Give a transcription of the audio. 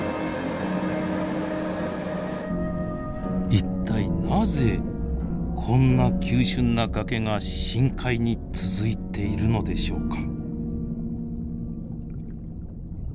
一体なぜこんな急峻な崖が深海に続いているのでしょうか。